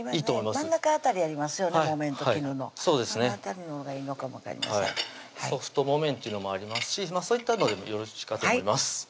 その辺りのがいいのかもソフト木綿っていうのもありますしそういったのでもよろしいかと思います